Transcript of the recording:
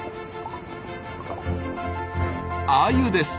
アユです。